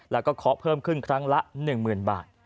แล้วก็ขอเพิ่มครึ่งครั้งละ๑๐๐๐๐บาท